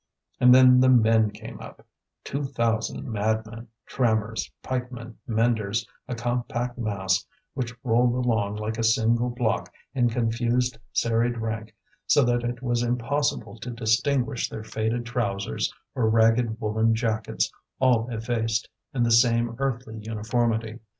And then the men came up, two thousand madmen trammers, pikemen, menders a compact mass which rolled along like a single block in confused serried rank so that it was impossible to distinguish their faded trousers or ragged woollen jackets, all effaced in the same earthy uniformity.